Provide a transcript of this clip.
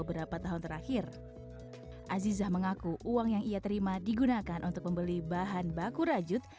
beberapa tahun terakhir azizah mengaku uang yang ia terima digunakan untuk membeli bahan baku rajut